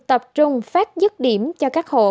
tập trung phát dứt điểm cho các hộ